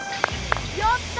やった！